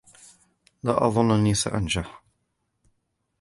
لا أظنني سأنجح.